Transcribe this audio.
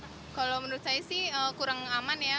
kalau menurut saya sih kurang aman ya